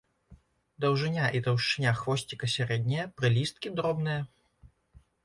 Даўжыня і таўшчыня хвосціка сярэднія, прылісткі дробныя.